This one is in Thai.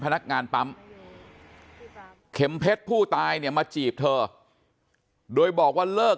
พนักงานปั๊มเข็มเพชรผู้ตายเนี่ยมาจีบเธอโดยบอกว่าเลิก